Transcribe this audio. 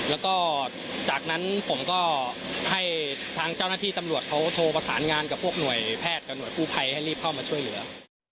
แล้วก็จากนั้นผมก็ให้ทางเจ้าหน้าที่ตำรวจเขาโทรประสานงานกับพวกหน่วยแพทย์กับหน่วยกู้ภัยให้รีบเข้ามาช่วยเหลือ